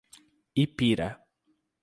Ipira